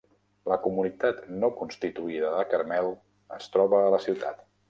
La comunitat no constituïda de Carmel es troba a la ciutat.